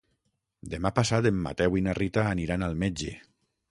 Demà passat en Mateu i na Rita aniran al metge.